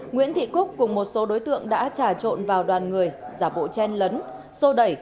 nguyễn thị cúc cùng một số đối tượng đã trà trộn vào đoàn người giả bộ chen lấn sô đẩy